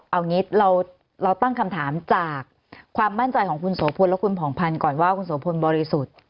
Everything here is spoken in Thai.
เอางี้เราตั้งคำถามจากความมั่นใจของคุณโสพลและคุณผ่องพันธ์ก่อนว่าคุณโสพลบริสุทธิ์